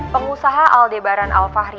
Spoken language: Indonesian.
pengusaha aldebaran alfahri